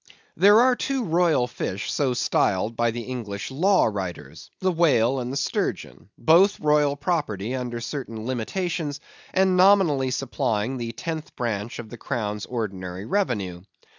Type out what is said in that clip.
There are two royal fish so styled by the English law writers—the whale and the sturgeon; both royal property under certain limitations, and nominally supplying the tenth branch of the crown's ordinary revenue.